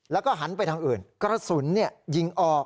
แล้วก็หันไปทางอื่นกระสุนยิงออก